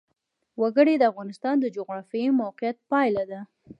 وګړي د افغانستان د جغرافیایي موقیعت پایله ده.